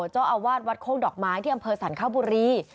เจ้าอาวาสวัดโคกดอกไม้ที่อำเภอสรรคบุรี